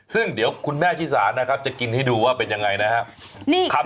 ซึ่งเดี๋ยวคุณแม่ชิสานะครับจะกินให้ดูว่าเป็นยังไงนะครับ